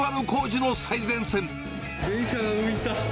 電車が浮いた。